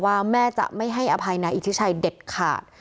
ว่าแม่จะไม่ให้อภัยนายอิทธิชัยเด็ดขาด